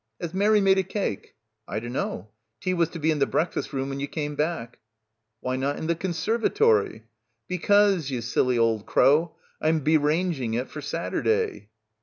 "Has Mary made a cake?" "I dunno. Tea was to be in the breakfast room when you came back." 'Why not in the conservatory?" 'Because, you silly old crow, I'm beranging it for Saturday."